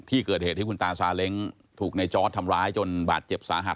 ที่เกิดเหตุที่คุณตาซาเล้งถูกในจอร์ดทำร้ายจนบาดเจ็บสาหัส